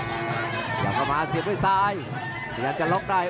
อื้อหือจังหวะขวางแล้วพยายามจะเล่นงานด้วยซอกแต่วงใน